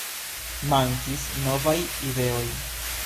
Mankis novaj ideoj.